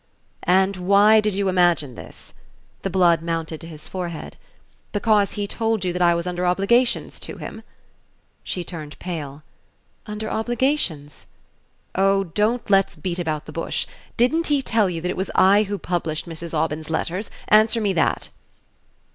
"And why did you imagine this?" The blood mounted to his forehead. "Because he told you that I was under obligations to him?" She turned pale. "Under obligations?" "Oh, don't let's beat about the bush. Didn't he tell you it was I who published Mrs. Aubyn's letters? Answer me that."